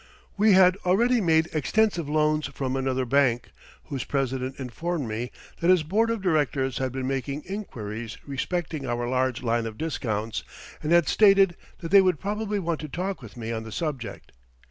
We had already made extensive loans from another bank, whose president informed me that his board of directors had been making inquiries respecting our large line of discounts, and had stated that they would probably want to talk with me on the subject.